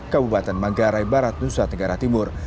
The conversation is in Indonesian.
kabupaten menggare barat tusa tenggara tibur